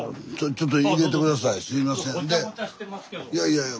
いやいやいや。